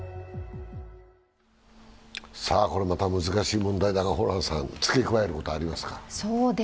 これまた難しい問題だけど、ホランさん、付け加えることはありますか？